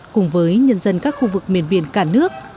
cùng với nhân dân các khu vực miền biển cả nước